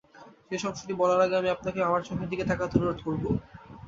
শেষ অংশটি বলার অ্যাগে আমি আপনাকে আমার চোখের দিকে তাকাতে অনুরোধ করব।